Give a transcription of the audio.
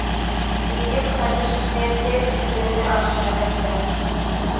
یہ کس خلش نے پھر اس دل میں آشیانہ کیا